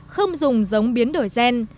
không dùng giống biến đổi gen